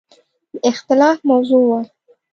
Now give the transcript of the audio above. د اختلاف موضوع وه.